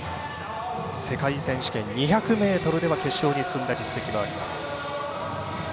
世界選手権２００ｍでは決勝に進んだ実績もあります。